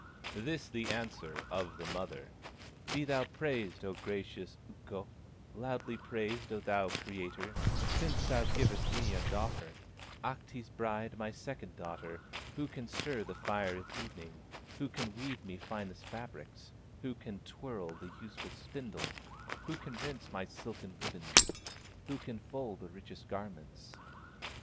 This the answer of the mother: "Be thou praised, O gracious Ukko, Loudly praised, O thou Creator, Since thou givest me a daughter, Ahti's bride, my second daughter, Who can stir the fire at evening, Who can weave me finest fabrics, Who can twirl the useful spindle, Who can rinse my silken ribbons, Who can full the richest garments.